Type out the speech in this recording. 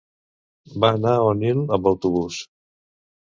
Va anar a Onil amb autobús.